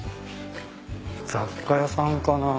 雑貨屋さんかな？